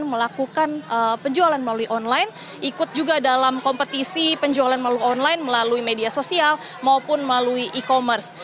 melakukan penjualan melalui online ikut juga dalam kompetisi penjualan melalui online melalui media sosial maupun melalui e commerce